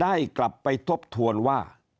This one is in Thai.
ตัวเลขการแพร่กระจายในต่างจังหวัดมีอัตราที่สูงขึ้น